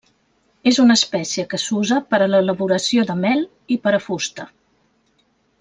És una espècie que s'usa per a l'elaboració de mel i per a fusta.